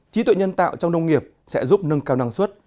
trí tuệ nhân tạo trong nông nghiệp sẽ giúp nâng cao năng suất